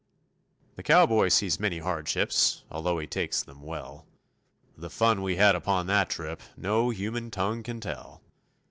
The cowboy sees many hardships although he takes them well; The fun we had upon that trip, no human tongue can tell.